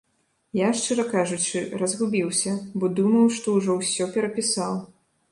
Я шчыра кажучы разгубіўся, бо думаў, што ўжо ўсё перапісаў.